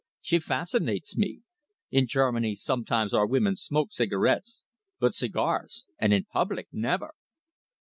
She fascinates me. In Germany sometimes our women smoke cigarettes, but cigars, and in public, never!"